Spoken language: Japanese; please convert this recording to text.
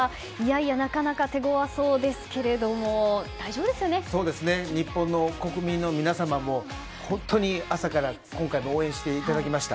なかなか手ごわそうですけど日本の国民の皆様も本当に朝から今回も応援していただきました。